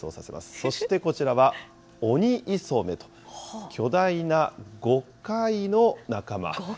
そして、こちらはオニイソメと、巨大なゴカイの仲間。